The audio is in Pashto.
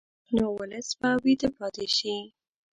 نو ولس به ویده پاتې شي.